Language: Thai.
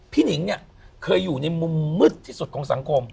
หนิงเนี่ยเคยอยู่ในมุมมืดที่สุดของสังคม